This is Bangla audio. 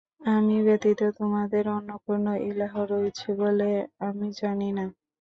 আমি ব্যতীত তোমাদের অন্য কোন ইলাহ রয়েছে বলে আমি জানি না।